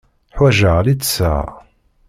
Ḥwajeɣ littseɛ.